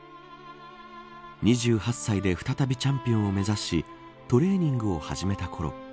２８歳で再びチャンピオンを目指しトレーニングを始めたころ